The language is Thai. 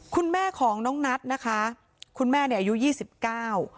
คุณแม่ของน้องนัทนะคะคุณแม่เนี่ยอายุ๒๙